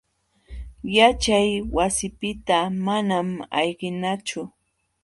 Yaćhay wasipiqta manam ayqinachu.